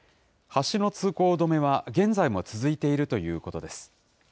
橋の通行止めは、現在も続いているということです。